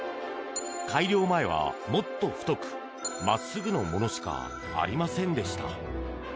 改良前はもっと太く真っすぐのものしかありませんでした。